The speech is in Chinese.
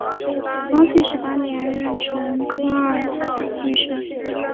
光绪十八年壬辰科二甲进士。